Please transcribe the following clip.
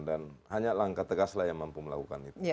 dan hanya langkah tegas yang mampu melakukan itu